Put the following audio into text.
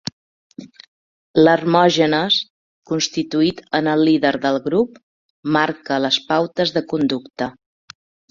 L'Hermògenes, constituït en el líder del grup, marca les pautes de conducta.